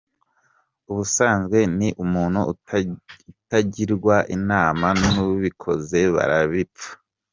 Ubusanzwe ni umuntu utagirwa inama n’ubikoze barabipfa.